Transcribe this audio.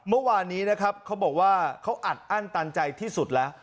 เมื่อวานนี้นะครับเขาบอกว่าเขาอัดอั้นตันใจที่สุดแล้ว